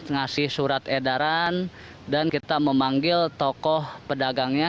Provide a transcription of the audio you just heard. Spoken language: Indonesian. ngasih surat edaran dan kita memanggil tokoh pedagangnya